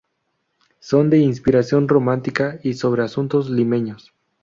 Son de inspiración romántica y sobre asuntos limeños.